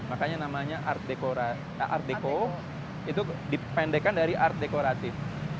makanya namanya art deco itu dipendekkan dari art dekoratif